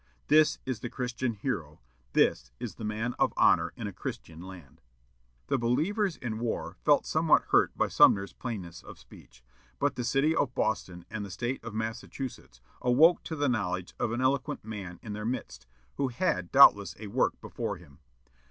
This is the Christian hero; this is the man of honor in a Christian land." The believers in war felt somewhat hurt by Sumner's plainness of speech, but the city of Boston and the State of Massachusetts awoke to the knowledge of an eloquent man in their midst, who had doubtless a work before him.